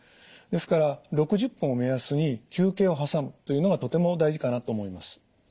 ですから６０分を目安に休憩を挟むというのがとても大事かなと思います。